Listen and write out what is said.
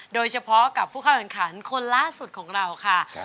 โดยเฉพาะกับผู้เข้าแข่งขันคนล่าสุดของเราค่ะ